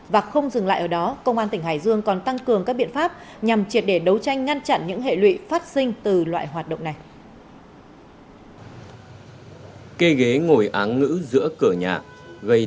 và không dừng lại ở đó công an tỉnh hải dương còn tăng cường các biện pháp nhằm triệt để đấu tranh ngăn chặn những hệ lụy phát sinh từ loại hoạt động này